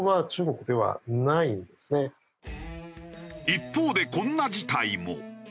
一方でこんな事態も。